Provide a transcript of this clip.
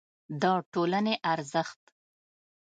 د ټولنې ارزښت